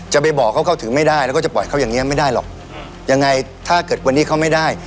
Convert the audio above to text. จะไปบอกเขาเข้าถึงไม่ได้แล้วก็จะปล่อยเขาอย่างเงี้ไม่ได้หรอกยังไงถ้าเกิดวันนี้เขาไม่ได้